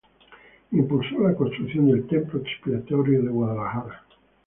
Impulsó la construcción del Templo Expiatorio de Guadalajara.